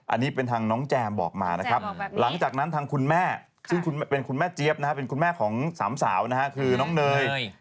อันนี้เป็นทางน้องแจมบอกมานะครับหลังจากนั้นทางคุณแม่ซึ่งเป็นคุณแม่เจี๊ยบนะฮะเป็นคุณแม่ของสามสาวนะฮะคือน้องเนย